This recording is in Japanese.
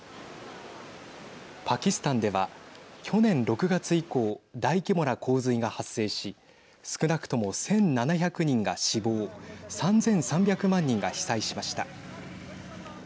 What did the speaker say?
パキスタンでは去年６月以降大規模な洪水が発生し少なくとも１７００人が死亡３３００万人が被災しました。